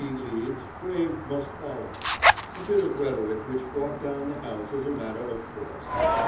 leads, brave men must follow," a bit of rhetoric which brought down the house as a matter of course.